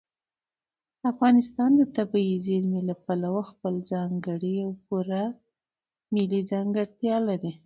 افغانستان د طبیعي زیرمې له پلوه خپله ځانګړې او پوره ملي ځانګړتیا لري.